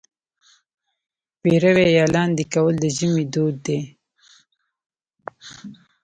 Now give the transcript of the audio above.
پېروی یا لاندی کول د ژمي دود دی.